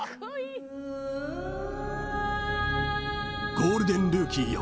［ゴールデンルーキーよ